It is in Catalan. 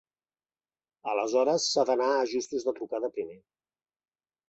Aleshores s'ha d'anar a ajustos de trucada primer.